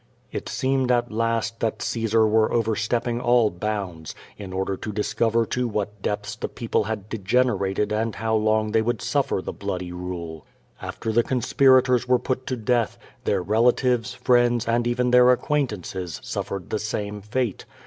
It seemed at last that Caesar were overstepping all bounds, in order to discover to what depths the people had degen erated and how long they would suffer the bloody rule. After 498 Q^O VADI8. the conspirators were put to death, their relatives, friends, and even their acquaintances, suffered the same fate.